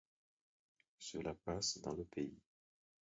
Cela passe dans le pays.